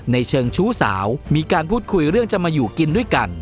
เชิงชู้สาวมีการพูดคุยเรื่องจะมาอยู่กินด้วยกัน